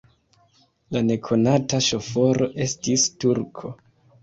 La nekonata ŝoforo estis turko.